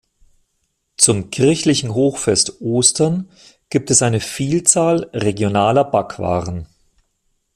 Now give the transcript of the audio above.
Zum kirchlichen Hochfest Ostern gibt es eine Vielzahl regionaler Backwaren.